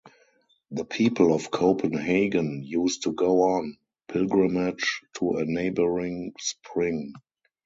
The people of Copenhagen used to go on pilgrimage to a neighboring spring.